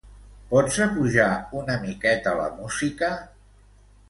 Pots apujar una miqueta la música?